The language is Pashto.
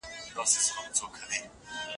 تاسو به د روغتیایی لارښوونو پابند اوسئ.